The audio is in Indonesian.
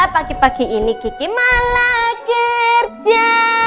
pagi pagi ini gigi malah kerja